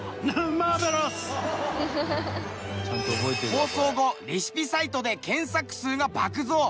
放送後レシピサイトで検索数が爆増。